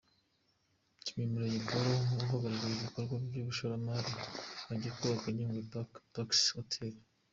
Nshimyumuremyi Paul, uhagarariye ibikorwa by’umushoramari ugiye kubaka Nyungwe Back Packers Hotel.